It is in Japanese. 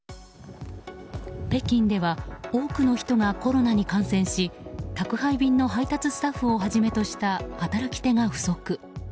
北京では多くの人がコロナに感染し宅配便の配達スタッフをはじめとした働き手が不足。